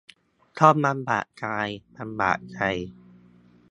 ต้องลำบากกายลำบากใจ